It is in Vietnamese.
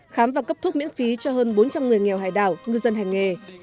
khám và cấp thuốc miễn phí cho hơn bốn trăm linh người nghèo hải đảo ngư dân hành nghề